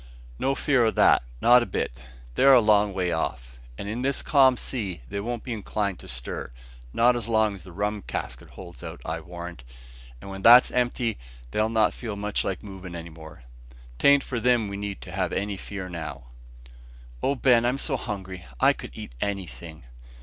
"No fear o' that, not a bit. They're a long way off, and in this calm sea they won't be inclined to stir, not as long as the rum cask holds out, I warrant; and when that's empty, they'll not feel much like movin' anywhere. 'Tan't for them we need have any fear now." "O Ben! I'm so hungry; I could eat anything."